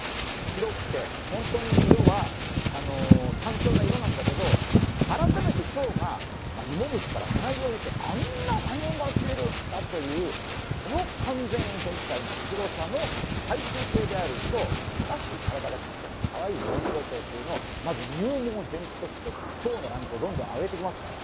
白くて本当に色は単調な色なんだけど改めてチョウがいもむしからさなぎを経てあんなはねが出るんだというその完全変態のすごさの最終形であるチョウしかし体がちっちゃくてかわいいモンシロチョウっていうのをまず入門編としてチョウのランクをどんどん上げていきますから。